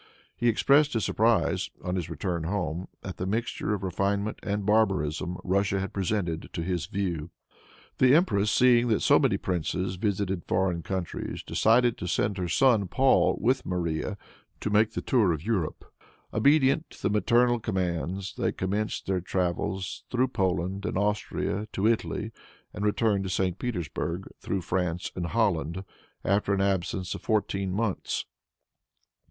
He expressed his surprise, on his return home, at the mixture of refinement and barbarism Russia had presented to his view. The empress, seeing that so many princes visited foreign countries, decided to send her son Paul, with Maria, to make the tour of Europe. Obedient to the maternal commands, they commenced their travels through Poland and Austria to Italy, and returned to St. Petersburg, through France and Holland, after an absence of fourteen months.